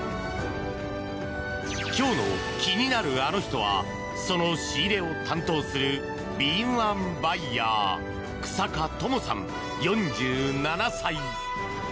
今日の気になるあの人はその仕入れを担当する敏腕バイヤー日下智さん、４７歳。